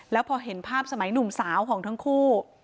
แล้วพอเห็นภาพสมัยหนุ่มสาวของทั้งคู่